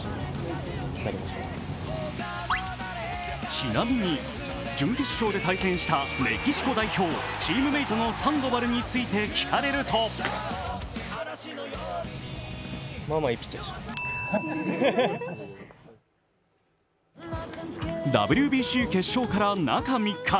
ちなみに準決勝で対戦したメキシコ代表、チームメートのサンドバルについて聞かれるとＷＢＣ決勝から中３日。